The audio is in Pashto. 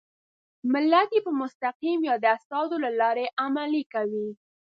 ملت یې په مستقیم یا د استازو له لارې عملي کوي.